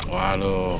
waduh penuh banget